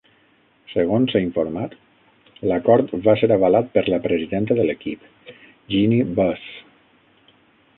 Segons s'ha informat, l'acord va ser avalat per la presidenta de l'equip, Jeanie Buss.